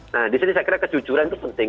nah disini saya kira kejujuran itu penting